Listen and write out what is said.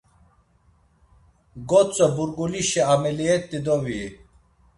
Gotzo burgulişe ameliyet̆i doviyi.